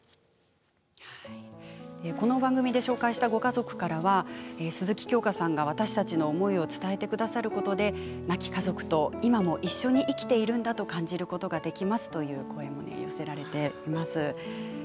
この番組で紹介したご家族からは鈴木京香さんが私たちの思いを伝えてくださることで家族と今も一緒に生きているんだと感じることができますという声が寄せられています。